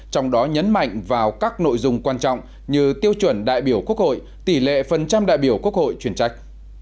trong đó nhấn mạnh vào các nội dung quan trọng như tiêu chuẩn đại biểu quốc hội tỷ lệ phần trăm đại biểu quốc hội chuyên trách